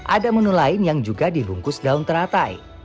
ada menu lain yang juga dibungkus daun teratai